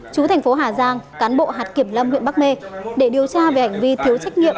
chú thành phố hà giang cán bộ hạt kiểm lâm huyện bắc mê để điều tra về hành vi thiếu trách nhiệm